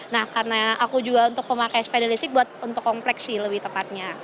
nah karena aku juga untuk pemakai sepeda listrik buat untuk kompleks sih lebih tepatnya